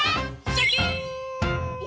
シャキーン！